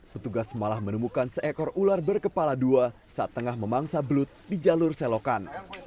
petugas malah menemukan seekor ular berkepala dua saat tengah memangsa belut di jalur selokan